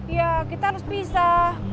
ya kita harus pisah